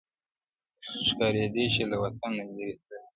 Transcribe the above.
ښکارېدی چي له وطنه لیري تللی!!